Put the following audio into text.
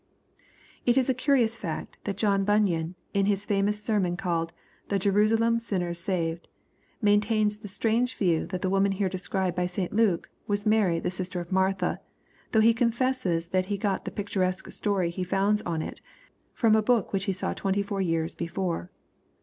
It is a curious fact, that John Bunyan, in his famous sermon called " The Jerusalem sinner saved," maintains the strange view that the woman here described by St Luke was Mary the sister of Martha, though he confesses that he got the picturesque story he founds on it, from a book which he saw twenty four years before.